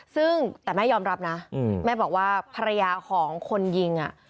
ซึ่งแต่แม่ยอมรับนะแม่บอกว่าภรรยาของคนยิง